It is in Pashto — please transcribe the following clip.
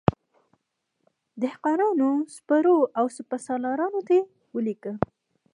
دهقانانو، سپرو او سپه سالارانو ته یې ولیکل.